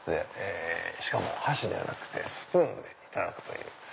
しかも箸ではなくてスプーンでいただくという。